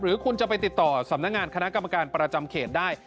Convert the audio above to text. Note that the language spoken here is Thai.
หรือคุณจะไปติดต่อสำนักงานคณะกรรมการประจำเขตได้